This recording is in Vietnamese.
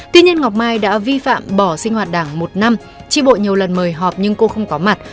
tuy nhiên ngọc mai đã vi phạm bỏ sinh hoạt đảng một năm tri bộ nhiều lần mời họp nhưng cô không có mặt